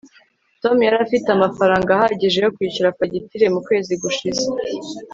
tom yari afite amafaranga ahagije yo kwishyura fagitire mu kwezi gushize